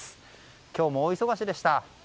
今日も大忙しでした。